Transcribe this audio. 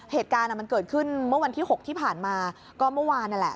เหตุการณ์มันเกิดขึ้นเมื่อวันที่๖ที่ผ่านมาก็เมื่อวานนั่นแหละ